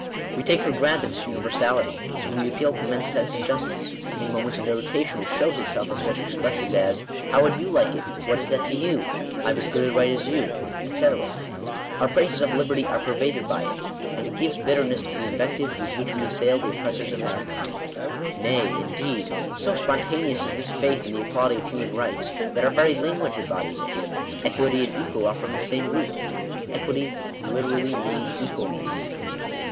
We take for granted its uni versality, when we appeal to men's sense of justice. In moments of irritation it shows itself in such expressions as — "How would you like it ?"" What is that to you ?" "I've as good a right as you," &c. Our praises of liberty are pervaded by it ; and it gives bitterness to the invectives with which we assail the oppressors of mankind. Nay, indeed, so spontaneous is this faith in the equality of human rights, that our very lan guage embodies it. Equity and equal are from the same root; and equity literally means equalness.